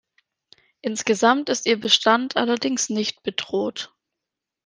Insgesamt ist ihr Bestand allerdings nicht bedroht.